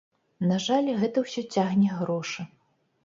На жаль, гэта ўсё цягне грошы.